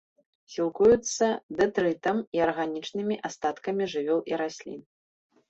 Сілкуюцца дэтрытам і арганічнымі астаткамі жывёл і раслін.